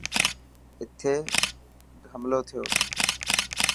اٿي حملو ٿيو.